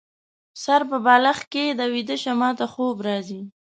سر په بالښت کيږده ، ويده شه ، ماته خوب راځي